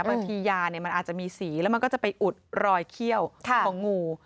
บางทียามันอาจจะมีสีแล้วมันก็จะไปอุดรอยเขี้ยวของงู